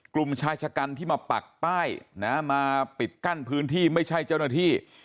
กลุ่มชายชะกันที่มาปักป้ายนะมาปิดกั้นพื้นที่ไม่ใช่เจ้าหน้าที่